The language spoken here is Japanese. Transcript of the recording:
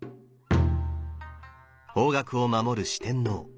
方角を守る四天王。